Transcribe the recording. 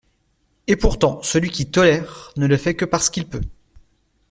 Et pourtant, celui qui 'tolère' ne le fait que parce qu'il peut